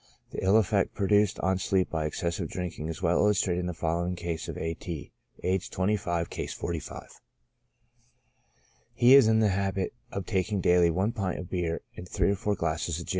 The ill effect produced on sleep by excessive drinking is well illustrated in the fol lowing case of A. T., aged 25 (Case 45). He is in the habit of taking daily one pint of beer and three or four glasses of gin.